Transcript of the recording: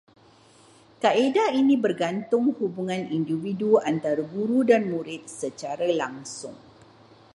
Kaedah ini bergantung hubungan individu antara guru dan murid secara langsung